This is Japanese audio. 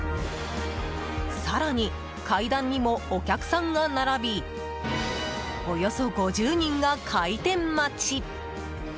更に、階段にもお客さんが並びおよそ５０人が開店待ち。